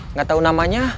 nggak tahu namanya